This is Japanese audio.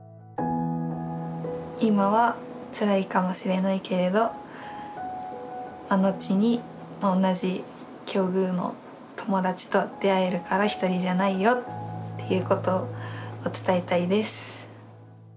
今はつらいかもしれないけれど後に同じ境遇の友達と出会えるからひとりじゃないよっていうことを伝えたいです。